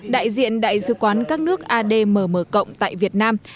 đại diện đại sứ quán các nước admm tại việt nam